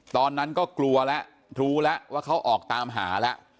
ตอนนั้นก็กลัวแล้วรู้แล้วว่าเขาออกตามหาแล้ว